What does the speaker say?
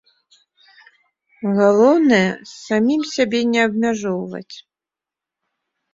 Галоўнае самім сябе не абмяжоўваць.